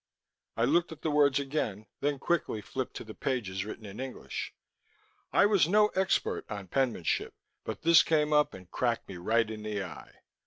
I looked at the words again, then quickly flipped to the pages written in English. I was no expert on penmanship, but this came up and cracked me right in the eye.